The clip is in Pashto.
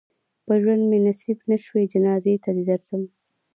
په ژوند مې نصیب نه شوې جنازې ته دې درځم.